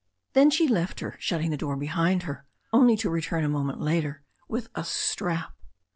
Then she left her, shut ting the door behind her, only to return a moment later with a strap.